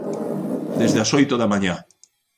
Desde as oito da mañá.